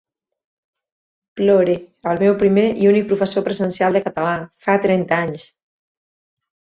Plore el meu primer i únic professor presencial de català, fa trenta anys!